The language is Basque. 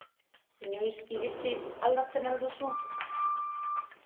Inoiz iritziz aldatzen al duzu?